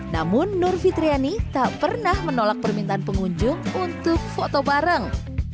namun nur fitriani tak pernah menolak permintaan pengunjung untuk foto bareng